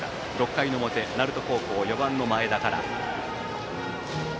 ６回の表、鳴門高校は４番の前田から。